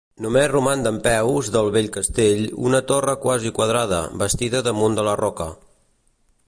Només roman dempeus, del vell castell, una torre quasi quadrada, bastida damunt de la roca.